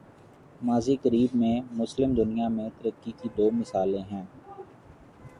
ماضی قریب میں، مسلم دنیا میں ترقی کی دو مثالیں ہیں۔